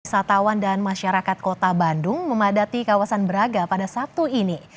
wisatawan dan masyarakat kota bandung memadati kawasan braga pada sabtu ini